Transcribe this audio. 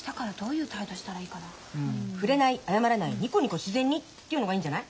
うん触れない謝らないニコニコ自然にっていうのがいいんじゃない？